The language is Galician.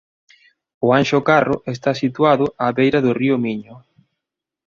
O Anxo Carro está situado á beira do río Miño.